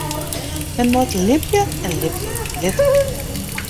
Men moat libje en libje litte.